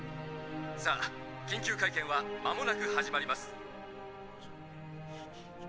さぁ緊急会見は間もなく始まります」。